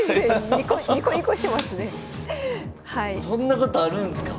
そんなことあるんすか？